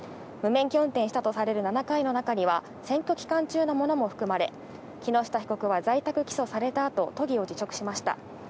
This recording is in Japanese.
無免許運転したとされる７回の中には選挙期間中のものも含まれ、木下被告は在宅起訴された後、都議を辞職しました。